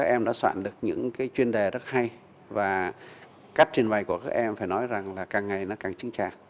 em đã soạn được những cái chuyên đề rất hay và cách trình bày của các em phải nói rằng là càng ngày nó càng chính trạc